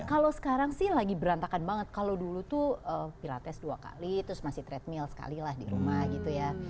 kalau sekarang sih lagi berantakan banget kalau dulu tuh pilates dua kali terus masih tradmill sekali lah di rumah gitu ya